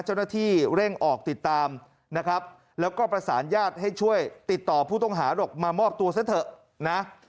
เจ้าหน้าที่เร่งออกติดตามนะครับแล้วก็ประสานญาติให้ช่วยติดต่อผู้ต้องหาบอกมามอบตัวซะเถอะนะ